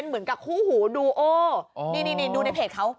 รับน้วยโยบายมา